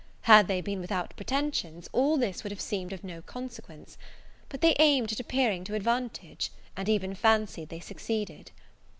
Had they been without pretensions, all this would have seemed of no consequence; but they aimed at appearing to advantage, and even fancied they succeeded.